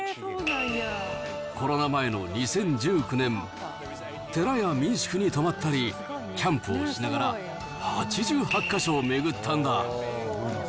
コロナ前の２０１９年、寺や民宿に泊まったり、キャンプをしながら８８か所を巡ったんだ。